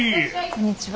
こんにちは。